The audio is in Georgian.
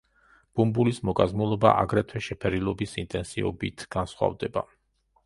ბუმბულის მოკაზმულობა აგრეთვე შეფერილობის ინტენსივობით განსხვავდება.